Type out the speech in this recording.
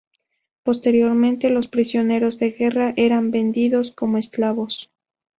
Posteriormente, los prisioneros de guerra eran vendidos como esclavos.